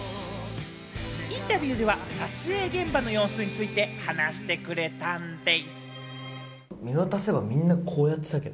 インタビューでは撮影現場の様子について話してくれたんでぃす。